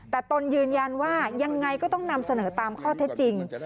แต่ตนยืนยันว่ายังไงก็ต้องนำเสนอตามข้อเท็จจริง